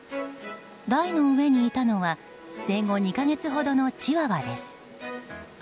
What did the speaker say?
台の上にいたのは生後２か月ほどのチワワです。